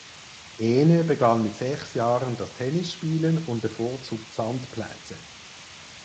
Ene begann mit sechs Jahren das Tennisspielen und bevorzugt Sandplätze.